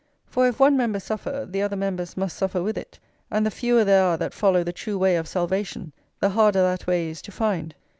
For if one member suffer, the other members must suffer with it; and the fewer there are that follow the true way of salvation the harder that way is to find.